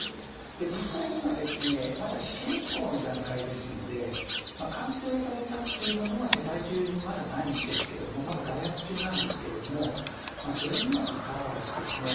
実際にはですねまだ試験飛行の段階ですので完成されたというものは世界中にまだないんですけどもまだ開発中なんですけどもそれにもかかわらずですね